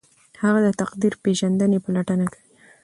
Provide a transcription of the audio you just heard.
هغه د تقدیر پیژندنې پلټنه کوي.